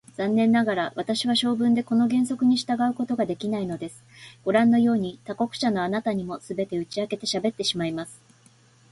残念ながら、私は性分でこの原則に従うことができないのです。ごらんのように、他国者のあなたにも、すべて打ち明けてしゃべってしまいます。